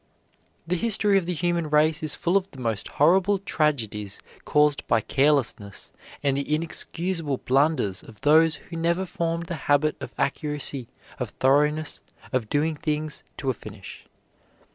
The history of the human race is full of the most horrible tragedies caused by carelessness and the inexcusable blunders of those who never formed the habit of accuracy, of thoroughness, of doing things to a finish.